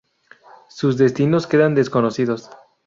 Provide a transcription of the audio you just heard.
Sus destinos quedan desconocidos.